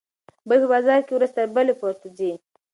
بیې په بازار کې ورځ تر بلې پورته ځي.